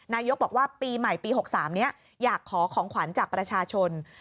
นายกบอกว่าปีใหม่ปี๖๓นี้อยากขอของขวัญจากประชาชน